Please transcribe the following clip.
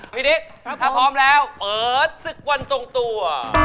พี่ดิ๊กถ้าพร้อมแล้วเปิดศึกวันส่งตัว